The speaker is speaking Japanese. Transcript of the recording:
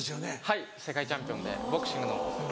はい世界チャンピオンでボクシングの。